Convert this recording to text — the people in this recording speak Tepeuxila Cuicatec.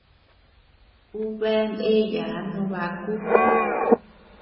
Ú bea ndeyaa no baku.